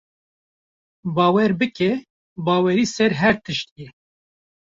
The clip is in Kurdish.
Bawer bike, bawerî ser her tiştî ye.